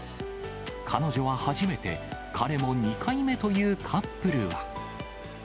彼女は初めて、彼も２回目というカップルは。